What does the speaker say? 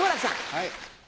はい。